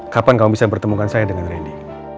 kapan kamu bisa bertemukan saya dengan randy